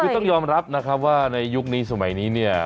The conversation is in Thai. คือต้องยอมรับนะครับว่าในยุคนี้สมัยนี้เนี่ย